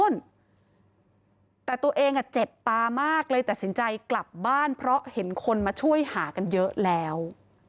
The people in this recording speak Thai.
แต่ตัวเองเจ็บตามากเลยตัดสินใจกลับบ้านเพราะเห็นคนมาช่วยหากันเยอะแล้ว